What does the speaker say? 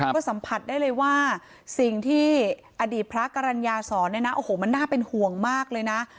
ก็สัมผัสได้เลยว่าสิ่งที่อดีตพระกรรณญาสอนเนี่ยนะโอ้โหมันน่าเป็นห่วงมากเลยนะ